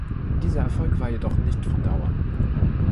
Dieser Erfolg war jedoch nicht von Dauer.